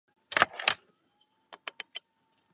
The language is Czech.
Oba kluby nadále existují na mládežnické úrovni.